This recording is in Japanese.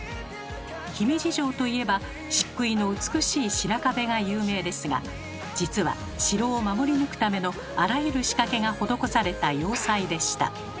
姫路城といえば漆喰の美しい白壁が有名ですが実は城を守り抜くためのあらゆる仕掛けが施された要塞でした。